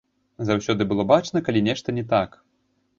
Заўсёды было бачна, калі нешта не так.